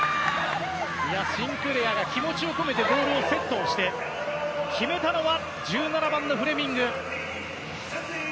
シンクレアが気持ちを込めてボールをセットして決めたのは１７番のフレミング。